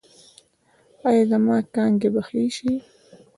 ایا زما کانګې به ښې شي؟